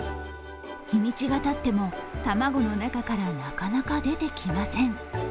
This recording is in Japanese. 日にちがたっても卵の中からなかなか出てきません。